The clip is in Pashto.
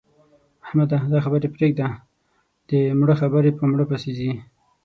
احمده! دا خبرې پرېږده؛ د مړه خبرې په مړه پسې ځي.